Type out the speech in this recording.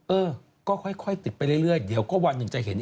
เออก็ค่อยติดไปเรื่อยเดี๋ยวก็วันหนึ่งจะเห็น